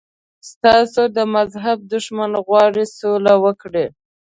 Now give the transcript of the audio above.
ستاسو د مذهب دښمن غواړي سوله وکړي.